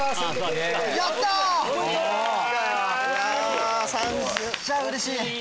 めっちゃうれしい！